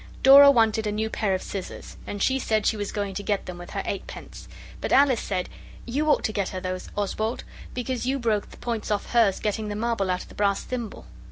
Dora wanted a new pair of scissors, and she said she was going to get them with her eight pence. But Alice said 'You ought to get her those, Oswald, because you know you broke the points off hers getting the marble out of the brass thimble.